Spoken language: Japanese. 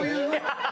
ハハハ！